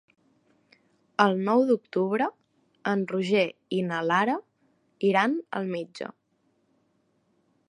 El nou d'octubre en Roger i na Lara iran al metge.